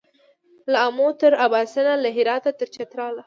له آمو تر اباسینه له هراته تر چتراله